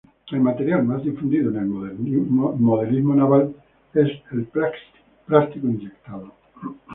El material más difundido en el modelismo naval es el plástico inyectado.